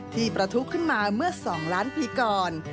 ประทุขึ้นมาเมื่อ๒ล้านปีก่อน